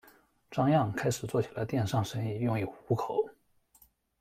张漾开始做起了电商生意用以糊口。